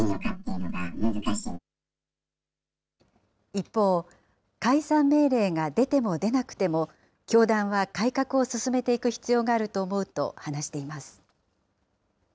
一方、解散命令が出ても出なくても、教団は改革を進めていく必要があると思うと話しています。